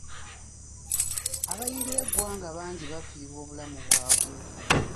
Abayingira eggwanga bangi baafiirwa obulamu bwabwe.